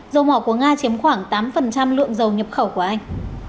dầu mỏ của nga chiếm khoảng tám lượng dầu nhập khẩu của anh